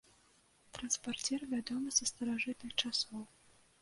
Транспарцір вядомы са старажытных часоў.